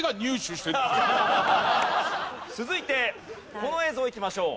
続いてこの映像いきましょう。